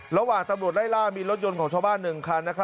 ระหว่างตำรวจไล่ล่ามีรถยนต์ของชาวบ้าน๑คัน